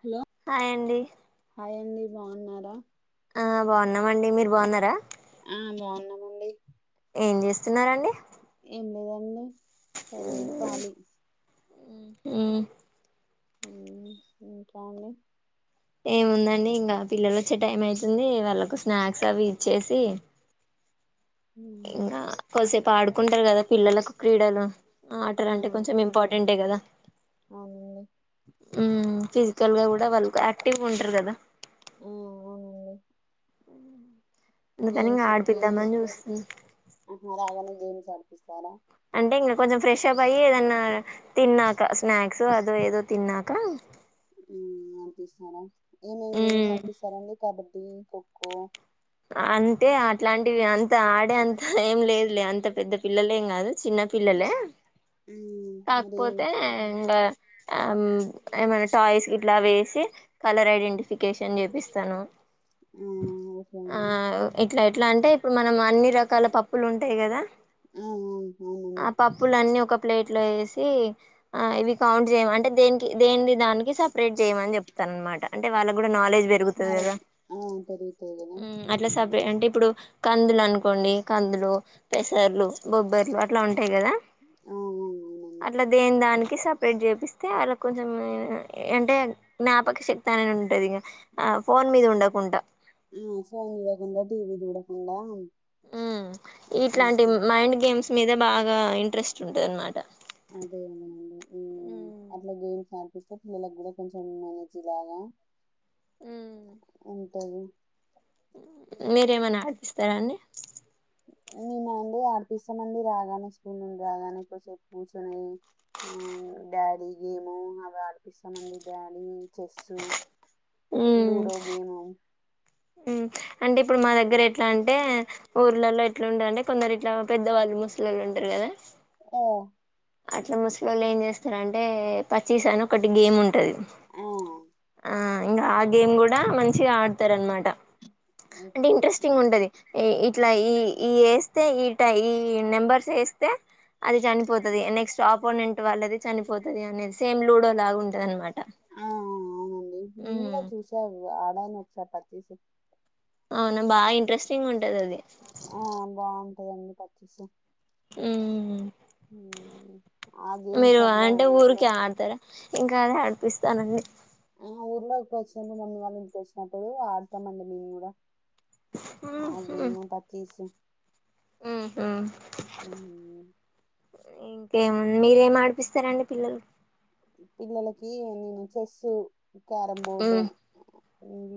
Hello hi అండి hi అండి బాగున్నారా ఆ బాగున్నామండి మీరు బాగున్నారా ఆ బాగున్నామండి ఏం చేస్తున్నారండి ఏం లేదండి పదింట కాలి మ్ మ్ ఇంకా అండి ఏముందండి ఇంకా పిల్లలు వచ్చే టైం అవుతుంది వాళ్ళకు స్నాక్స్ అవి ఇచ్చేసి ఉమ్, ఇంకా కొసేప్ పాడుకుంటారు కదా పిల్లలకు క్రీడలు ఆ ఆటర్ అంటే కొంచెం ఇంపార్టెంటే కదా అవునండి ఉ ఫిజికల్ గా కూడా వాళ్ళకు యాక్టివ్గా ఉంటారు కదా ఉ ఆ అవునండి అందుకని ఇంగ గేమ్స్ గేమ్స్ ఆడిపిద్దామని జూస్తున్న ఆహా, రాగానే గేమ్స్ ఆడిపిస్తారా అంటే ఇంగ కొంచెం ఫ్రెష్ అప్ అయ్యి ఏదన్నా తిన్నాక స్నాక్స్ అదో ఏదో తిన్నా కా ఉ అంత ఇస్తారా ఏమేం గేమ్స్ మ్మ్ ఆడిపిస్తారండి కబ ఖోఖో అంటే అట్లాంటివి అంతే త ఆడే అంత ఏం లేదులే అంత అంత పెద్ద పిల్లలేం కాదు చిన్న పిల్లలే ఉమ్, మరి కాకపోతే ఇ ఆ ఏమైన్నా టాయ్స్ ఇట్లా వేసి కలర్ ఐడెంటిఫికేషన్ చేపిస్తాను [unintelligible] ఆ ఇట్ల ఎట్ల అంటే ఇప్పుడు మనం అన్ని ఇన్ని రకాల పప్పులు ఉంటాయి కదా ఆ ఆ పప్పులన్నీ ఒక ప్లేట్లో ఏసి అ ఇవి కౌంట్ చే అంటే దే దే దానికి స స్ప్రేడ్ చేయమని చెప్తాననమాట అంటే వాళ్ళకు కూడా నాలెడ్జ్ పెరుగుతుంది కదా నాలెడ్జ్ ఆ పెరుగుతాయి కదా ఉ అట్లా ఉమ్, సపే అంటే ఇప్పుడు కందులు అనుకోండి కందులు పెసర్లు బొబ్బర్లు అట్లా ఉంటాయి కదా ఆ ఆ, అవునండి అట్లా దేని దానికి సపరేట్ చేపిస్తే ఆళ్ళ కొంచెం అంటే జ్ఞాపక శక్తి అనేది ఉంటుంది ఇంక ఫోన్ మీద ఉండకుండా ఫోన్ ఇడ్వకుండా టీవి చూడకుండా ఉ ఇట్లాంటి కొంచెం మైండ్ గేమ్స్ మీద బాగా ఇంట్రెస్ట్ ఉంటుందనమాట అదే అడి అట్లా గేమ్స్ ఆనిపిస్తే పిల్లలకు గూడా కొంచెం ఎనర్జీ లాగా ఉ అంటే మీరేమనా ఆడిపిస్తారా అండి మేమాండి ఆడిపిస్తామండి రాగానే స్కూల్ నుండి రాగానే కొసేపు కూర్చునిది డాడీ గేము అవి ఆడిపిస్తామండి డాడీ చెస్సు లూడో గేము ఉ అంటే ఇప్పుడు మా దగ్గర ఎట్లా అంటే ఊర్లలో ఎట్లాంటంది అంటే కొందరు ఇట్లా పెద్దవాళ్ళు ముసలళ్ళు ఉంటారు కదా పో అట్లా ముసలోల్లు ఏం జేస్తారంటే పచ్చిసని ఒకటి గేమ్ ఉంటది ఆ ఆ ఇంగ ఆ గేమ్ కూడా మంచిగా ఆడతారనమాట అంటే ఓకే ఓకే ఇంట్రెస్టింగ్ ఉంటది ఇట్లా ఈ ఈ ఈ ట ఈ నెంబర్స్ వేస్తే అది చనిపో వాళ్ళది చనిపోతది అనేది సేమ్ లుడో లాగా ఉంటది అనమాట ఆ అవునండి నేను కూడా ఉమ్ చూసాను అడ ను ఒకసార్ పచ్చిస్ అవునా బాగా ఇంట్రెస్టింగ్ ఉంటది అది పచ్చిస ఉ ఆ గేమ్స్ మీరు అట్లా అంటే ఊర్లో ఊరికే ఆడతారా ఇంకా అదే ఆడిపిస్త తనది ఆ ఊర్లో ఇప్పుడు వచ్చింది మమ్మీ వాళ్ళ ఇంటికి వచ్చినప్పుడు ఆడతానండి మేము కూడా ఆ గేమ్ పచ్చిస్ ఉ ఇంకేము మీరేం ఆడిపిస్తారంండి పిల్లలు పిల్లలకి నేను చెస్సు క్యారంబోర్డు ఉమ్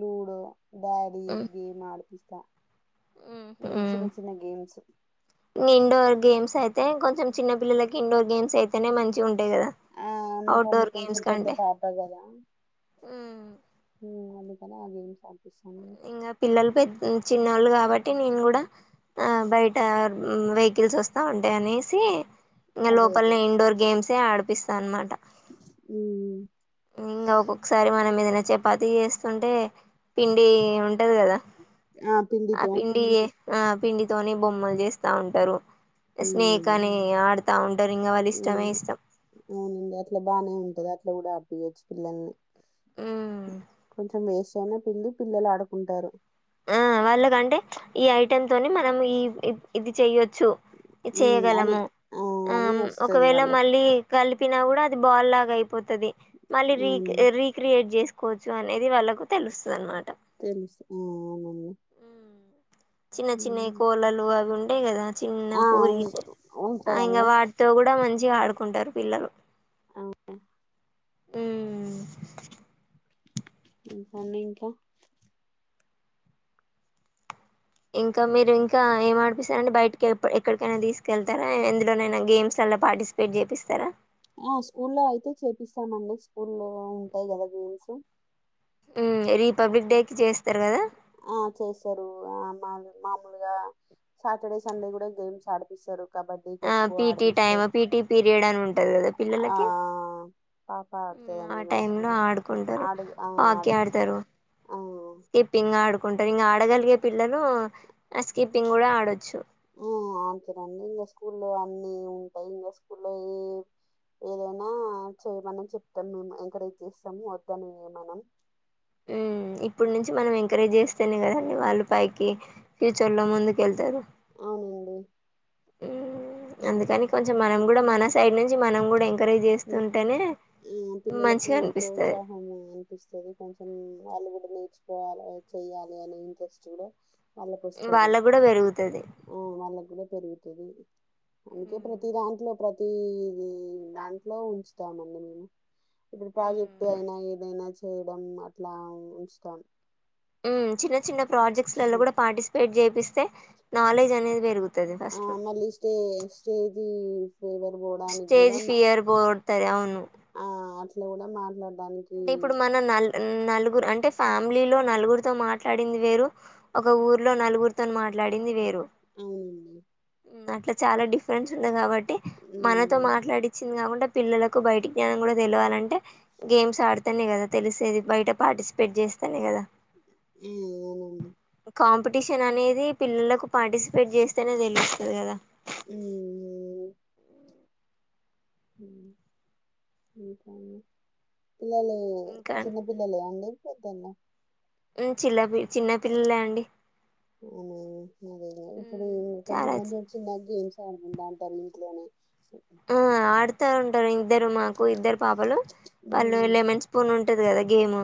లూడో డాడీ గేమ్ ఆడు పిస్తా ఇ ఇండోర్ గేమ్స్ అయి తే అ కొంచెం చిన్న పల్లల కి ఇండోర్ గేమ్స్ అయితేనే మంచిగ ఉం కదా ఆ మా పాప అఔట్డోర్ కొంచెం గేమ్స్ పెద్ద కంటే పాప కదా అందుకనే ఆహ్ గేమ్స్ అడ్ ఇంకా పిల్లలు పె చిన్నోళ్ళు కాబ టి నేను కూడా ఆ బయట వెహికల్స్ వస్తా ఉంటాయి అనేసి ఇంగ అదే లోపల్నే ఇన్ండోర్ గేమ్స్ తే ఆడిపిస్తా అన్నమాట ఉం ఇంకా ఒక్కొక్కసారి మనం ఏదైనా చపాతి చేస్తుంటే పిండి ఉంటది కదా ఆ ఆ పిండితో పిండి ఆ పిండితోనే బొమ్మలు చేస్తా ఉంటారు ఉం స్నేక్ అని ఆడుతా ఉంటారు ఇంకా వాళ్ళ ఉం ఇష్టమే అవునండి అట్లా బానే ఉంటది అట్లా లూడో ఏడిపియ్యచ్చు పిల్లల్ని ఉం కొంచెం వేస్ట్ అయ్యింది పిండి పిల్లలు ఆడుకుంటారు ఆ వాళ్ళకంటే ఈ ఐటెమ్ తోనే మనం ఈ ఇది చెయొ చు ఇది ఉమ్ అని చేయగలము ఆ అని ఉం వస్తది ఒకవేళ వాళ్ళకి మళ్ళీ కలి ఇప్పినా కూడా అది బాల్ లాగా అయిపోతుది మళ్ళీ ఉమ్ రీకి రీక్రియేట్ చేసు కోవచ్చు అనేది వాళ్ళలకు తెలుస్తుంది అనమ తెలుసు ఆ అవునండి మ్ చిన్న చిన్నవి ఉమ్. కోళలు అవి ఉ టే కదా చిన్న ఆ పూరీకు ఉం- ఇంగ ఉంటాయండి వాటితో కూడా మం చిగా ఆడుకుంటారు పిల్లలు అవును ఉమ్ ఇంకా అండీ ఇంకా ఇంకా మీరు ఇంకా ఏం ఆడిపిస్తారంటే బయటకి ఎక్కడికైనా తీసుకెళ్తారా ఎందులోనైనా గేమ్స్ అలా పార్టిసిపేట్ చేపిస్తారా ఆ స్కూల్లో అయితే చేపిస్తామండి స్కూల్లో ఉంటాయి కదా గేమ్స్ ఆ రిపబ్లిక్ డేకిి చేస్తారు కదా ఆ చేస్తారు ఆ మా మామూలుగా సాటర్డే సండే కూడా గేమ్స్ ఆడిపిస్తారు కబడ్డీ ఆ ఖోఖో పీటి టైమ్ ఆడిపిస్తారు పీటి పీరియడ్ అని ఉంటది, కదా ఆ పిల్లలకి పాప మ్ ఆ ఆడుతదండి టైం లో మంచిగా ఆడుకుంటారు. ఆడు ఆ హాకీ ఆడిపిస్తారు ఆడతారు, ఆ స్కిప్పింగ్ ఆడు కుంటరు ఇంగా ఆడగలిగే పిల్లలు ఆ స్కీప్పింగ్ కూడా ఆడొచ్చు మ్మ్ అంతేనండి ఇంగ స్కూల్లో అన్ని ఉంటాయి ఇంగు స్కూల్లో ఏ ఏదైనా చేయమని చెప్తాం, మేము ఎంకరేజ్ చేస్తాము వద్దని ఏం అనం. ఇప్పుడు నుంచి మనం ఎంకరేజ్ చేస్ స్తేని కదాండి వాళ్ళు పైకి ప్యూచర్ లో ముందుకు వెళ్తారు అవునండి మ్మ్ అందుకని కొంచెం మనం కూడా మన సైడ్ నుంచి మనం కూడా ఎం మ్మ్ ఆ పిల్లలకి మంచిగా అనిపిస్తది ప్రోత్సాహం అనిపిస్తది. కొంచెం వాళ్ళు కూడా నేర్చు కోవాల చెయ్యాలి అనే ఇంట్రెస్ట్ కూడా వాళ్ళకు వస్తది, వాళ్ళకు కూడా పెరుగుతది ఆ వాళ్ళకు కూడా పెరుగుతుది, అందుకే ప్రతి మ్, దాంట్లో ప్రతి మ్ అట్ ఉంచుతామండి మేము ఇప్పుడు ప్రాజెక్ట్ మ్, అయినా ఏదైనా చేయడం అట్లా ఉంచుతాం మ్ చిన్న చిన్న ప్రాజెక్ట్స్ లో చి- కూడా పార్టిసిపేట్ చేపిస్తే నాలెజ్ అనేది పెరుగుతుంది ఆ మళ్ళి ఇస్తే చేది స్టేజ్ ఫియర్ బోగొడతది అవును ప్లోలో మాట్లాడ అంటే ఇప్పుడు మన నల్ నలుగు అంటే ఫ్యామిలీలో నలుగురుతో మాట్లాడింది వేరు ఒక ఊర్లో నలుగురుతోని మాట్లాడింది వేరు అవునండి అట్లా చాలా డిఫరెన్స్ ఉంది కాబట్ ట్టి మనతో ఉమ్ మాట్లాడి [unintelligible] పిల్లలకు బయట జ్ఞానం కూడా తెలియవాలంటే గేమ్స్ ఆడుతనే కదా తెలిసేది బయట పాటి పెట్ చేస్తానే కదా అవునండి కాంపిటీషన్ అనేది పిల్లలకు పార్టిసిపేట్ చేస్తేనే తెలుస్తుంది కదా [unintelligible] మ్మ్ ఇంకా అండి పిల్లలు చిన్న పిల్లలు అండి ఇదన్నా చిలపి చిన్న పిల్లలే అండి [unintelligible] ఇప్పుడు చాలా కొంచం [unintelligible] గేమ్స్ ఆడకుండా ఉంటారు ఇంట్లోనే ఆ అడుతారు ఉంటారు ఇ ఇద్దరు మాకు ఇద్దరు పాపలు వాళ్ళు హ్మ్. లెమన్ స్పూన్ ఉ ఉంటది కదా గేమ్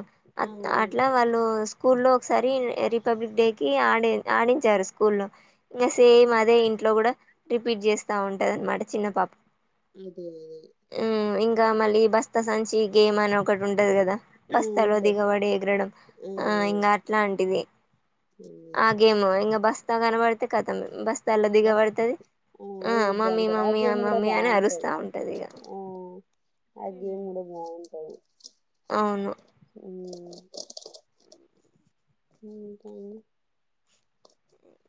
అవును. అట్లా వాళ్ళు స్కూల్లో ఒకసారి రిపబ్లిక్ డే కి ఆడి ఆడించారు స్కూల్లో ఇంకా సేమ్ అదే ఇంట్లో కూడా రిపీట్ చేస్తా ఉంటది అనమాట చిన్న పాప, అదే కా మళ్ళీ బస్తా సంచి గేమ్ అని ఒకటి ఉంటది కదా ఆ! బస్తాలో ఉంటది. దిగబడి ఎగరడం ఆ ఇంగా అట్లాంటిది ఆ హ్మ్. గేమ్ ఇంగా బస్తా కనబడు తెకద్ [unintelligible] బస్తాల్లో బస్. దిగబడుతది ఆ ఎగురుతా మమ్మీ ఉంటారు. ఆ మమ్మీ గేమ్ గూడా మమ్మీ అని బావుంటది. అరుస్తా ఉంటది ఇగ, ఆ! ఆ గేమ్ కూడా బాగుంటది అవును ఉమ్మ్ ఇంకాండి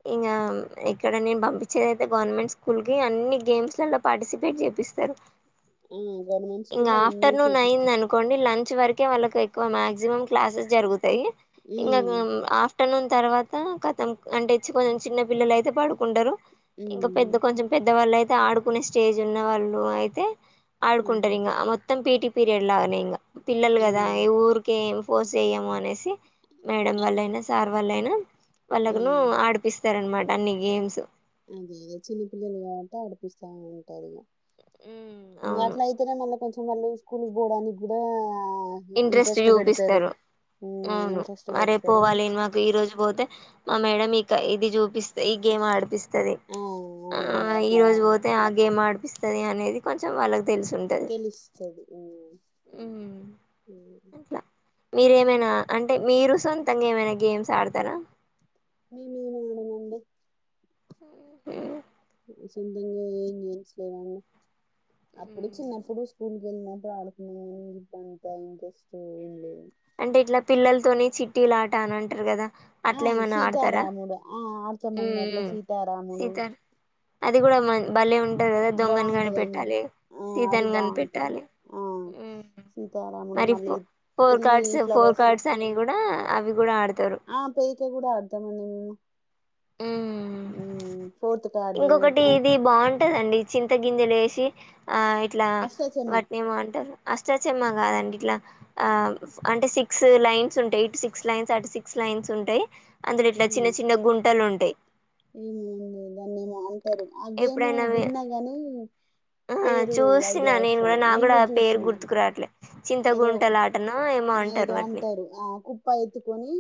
ణంగా ఇక్కడ నేను బమ్ చ్చేదైతే గవర్నమెంట్ స్కూల్ కి అన్ని గేమ్స్ లల్లో పార్టిసిపేట్ చేపిస్తారు ఓ ఇంగ ఆఫ్టర్నూన్ అయిందనుకోండి లన్ చ్ వరకే వాళ్ళకు ఎక్కువ మాక్సిమం క్లాసెస్ జరుగు ఇ ఇంగ మ్మ్ దుమ్ ఆఫ్ ట్టణం తర్వాత కతం అంటే ఇచ్చిపోయి ఉ చిన్న పిల్లలు అయితే పడుకుంటరు. ఇంకా పెద్ద మ్మ్ కొంచెం పెద్దవాళ్ అయితే తే ఆడుకునే స్టేజ్ ఉన్నవాళ్ళు అయితే కుంటారు ఇంగ మొత్తం పీటీ పీరియడ్ లానే ఇంగ పిల్లలు కదా మ్మ్ ఇగ ఊరికే పోసెయ్యము అనేసి మేడం ఆ వాళ్ళయినా సార్ వాళ్ళయినా అ వాళ్లగును మ్మ్ ఆడపిస్తార అన్మా అన్ని గేమ్స్ అదేద చిన్న పిల్లలు కాబట్టి అడిపిస్తా ఉంటారు ఇగ అవును ఇంగట్లైతేనే మళ్ళ కొంచ్ మల్లి స్కూలుకి బోడానికి గుడా ఇంట్రెస్ట్ ఎ చూపిస్తారు. మ్మ్ ఊను ఇంట్రెస్ట్ ఆ రేప్ పెడతారు పోవాలి మాకు ఈ రోజు పోతే మా మేడం ఇక ఇది చూప్ పిస్త ఈ చి- గేమ్ చి- ఆడిపిస్తది. ఆ ఆ అవునండి అట్లా ఈరోజు పోతే ఆ గేమ్ ఆడిప్ తది అనేది కొంచెం వాళ్ళకి తెలిసుంటది. తెలుస్తది మ్మ్ ఊ మ్మ్ ఇట్ల మీరేమైనా అంటే మీరు సొంతంగా ఏమైనా గేమ్స్ ఆడతార? మేమేమి ఇనమండి. ఉహు సొంతంగా ఏం గేమ్స్ లేవండి. అప్పుడు చిన్నప్పుడు స్కూల్కి వెళ్ళినప్పుడు ఆడుకునేటంత ఇంట్రెస్ట్ ఏం లేదండి. కొని చిట్టీలాట అనంటారు కదా ఆ అట్లేమన్నా ఆడతారా సీతారాముడు ఆ ఆడతం అందరిలో ఉమ్ సీతారాముడు సీతార్ అది కూడా మ భలే ఉంటది కదా దొంగని బాంటదండి. కనిపెట్టాలి ఆ అది సీతని బాంటది కనిపెట్టాలి ఆ ఉమ్ సీతారాముడు మళ్ళీ కర్డ్స్ ఫోర్ ఫ్లవర్స్ కార్డ్స్ అని కూడా అవి కూడ ఆడు ఆ పేక కూడ ఆడతం అండి మేము ఉం ఉమ్, ఫోర్త్ కార్డు ఇంకొకటి త్రీ ఇది బాంటదండి చిన్ త్త గింజలేసి ఆ ఇట్లా అష్టాచమ్మా వాటినేమో అంటారు అష్ట చెమ్మా కాదండి ఇట్లా ఆ ఫ్ అంటే సిక్స్ లైన్స్ ఉంటాయి ఇటు సిక్స్ లైన్స్ అటు సిక్స్ లైన్స్ ఉంటయి. అందురు ఇట్లా చిన్న చిన్న గున్ అంతే ఈదాన్ని మా ఆ గేమ్ ఎప్పుడైనా వి విన్నా గాని ఆ పేరు చూసిన ఐడియా వస్తలే నాకు నేను కూడా పేరు చూసిన గుర్తుకురాట్లే ఏదో చింతగుంటలాటనో ఏమో ఏదో వాటిని అంటారు ఆ కుప్ప ఎత్తుకొని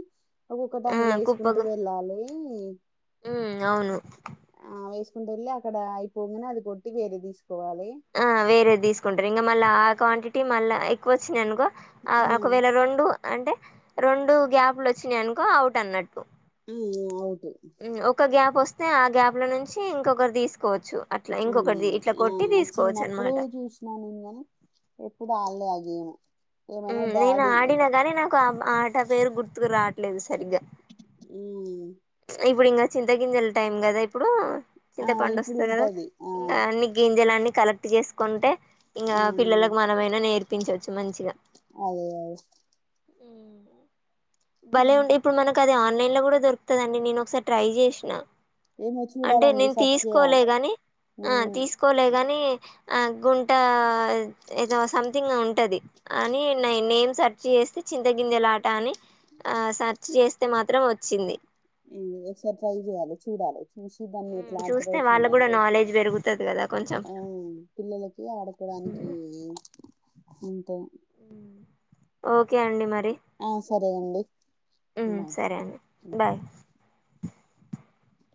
ఒక్కొక్కటి ఆ అందులో వేసుకుంటూ వెళ్ళాలి ఉ అవును వేసుకుంట వెళ్లి అక్కడ అయిపోనే అది కొట్టి వేరే తీసు ఆ వేరే తీసుకుంటారు ఇంకా మళ్ళా ఆ క్వాంటిటీ మళ్ళీ ఎక్కువ వచ్చింది అనుకో ఆ ఉమ్, ఒకవేళ రెండు అంటే రొండు గ్యాప్లు వచ్చినాయనుకో అవుట్ అన్నట్టు. ఉ అవు ఉం ఒక గ్యాప్ ఒస్ తే ఆ గ్యాప్ లో నుంచి ఇంకొకరు తీసుకోవచ్చు. అట్లా అదే ఇంకొకరిది ఇట్లా అ కొట్టి ఆ తీసుకోవచ్చు చిన్నప్పుడు అనమాట చూసినా నేను కాని ఎప్పుడు ఆలే ఆ గేము ఉ నేను ఆడిన గనీ నాకు ఆట పేరు గుర్తుకు రావట్లేదు సరిగ్గా అ ఇప్పుడు ఇంకా చింతగిింజల టైం కదా ఇప్పుడు ఆ చింత పండు ఇప్పుడు వస్తది కదా ఉంటది ఆ ఇంకా అన్ని గింజలు అన్నీ కలెక్ట్ చేసుకుంటే ఇంగా ఆ పిల్లలకు మనమైనా నేర్ పించ అదే అ ఉ భలే ఉంటే ఇప్పుడు మనకు అది ఆన్లైన్ లో కూడా దొరుకుతదండి నేను ఒకసారి ట్రై చేసినా ఏమో అంటే చూడాలండి నేను సర్చ్ తీసుకోలే చేయాలి గాని ఆ ఉమ్. తీసుకోలే గాని ఆ గుంట ఏదో సంథింగ్ ఉంటది అని న నేను సర్చ్ చేస్తే చింతగింజలాట అని ఆ సర్చ్ చేస్తే మాత్రం వచ్చింది ఎక్సర్సైజ్యాల చూడాలి చూసి దాన్ని మ్ ఎట్లా ఆడతారో చూస్తే వాళ్ళకు చూడాలి కూడా నాలెడ్జ్ పెరుగుతది కదా కొంచెం ఆ పిల్లలకి ఆడుకోడానికి అంతే ఓకే ఓకే అండి మరి ఆ సరే అండి బాయ్ సరే అండి బాయ్